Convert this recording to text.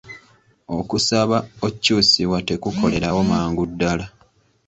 Okusaba okyusibwa tekukolerawo mangu ddala.